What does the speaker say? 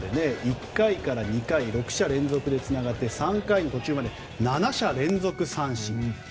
１回から２回６者連続でつながって３回途中まで７者連続三振。